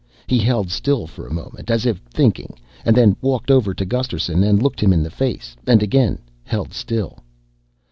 He held still for a moment, as if thinking, and then walked over to Gusterson and looked him in the face and again held still.